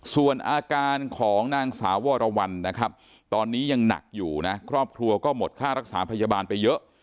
ส่วนอาการของนางสาววรวรรณนะครับตอนนี้ยังหนักอยู่นะครอบครัวก็หมดค่ารักษาพยาบาลไปเยอะ